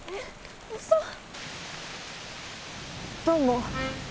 どうも。